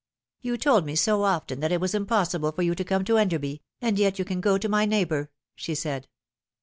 " You told me so often that it was impossible for you to come to Enderby, and yet you can go to my neighbour," aha said.